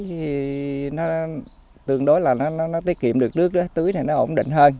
thì tương đối là nó tiết kiệm được nước tưới này nó ổn định hơn